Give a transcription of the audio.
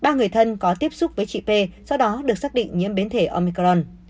ba người thân có tiếp xúc với chị p sau đó được xác định nhiễm biến thể omicron